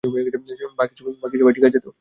বাকি সবাই ঠিক আছে তো?